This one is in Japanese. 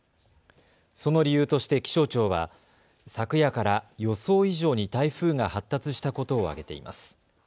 その理由として気象庁は昨夜から予想以上に台風が発達したことを挙げています。